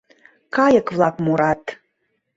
Кайык-влак мурат.